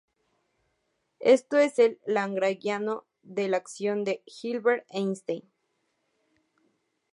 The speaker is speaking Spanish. Esto es el lagrangiano de la acción de Hilbert-Einstein.